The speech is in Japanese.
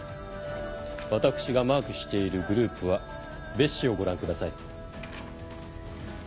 私がマークしているグループは別紙をご覧ください。